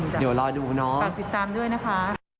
เดี๋ยวรอดูเนาะฝากติดตามด้วยนะคะ